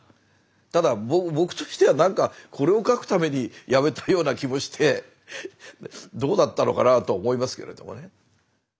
ただ僕としてはなんかこれを書くために辞めたような気もしてどうだったのかなとは思いますけれどもね。